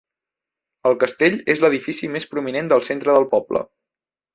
El castell és l'edifici més prominent del centre del poble.